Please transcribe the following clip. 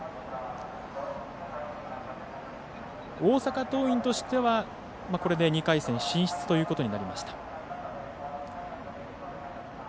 大阪桐蔭としてはこれで２回戦進出ということになりました。